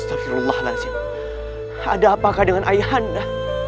ada apakah dengan ayah anda